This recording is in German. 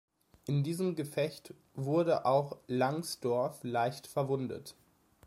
In diesem Gefecht wurde auch Langsdorff leicht verwundet.